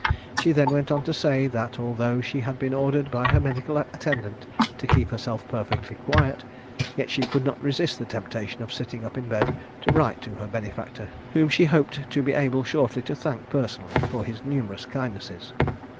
She then went on to say, that although she had been ordered by her medical attendant to keep herself perfectly quiet, yet she could not resist the temptation of sitting up in bed to write to her benefactor, whom she hoped to be able shortly to thank personally for his numerous kindnesses.